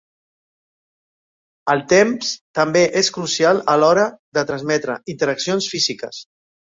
El temps també és crucial a l'hora de transmetre interaccions físiques.